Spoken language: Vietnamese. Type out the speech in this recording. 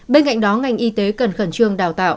bên cạnh đó ngành y tế cần khẩn trương đào tạo